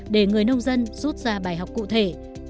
để người nông dân rút ra bài học cụ thể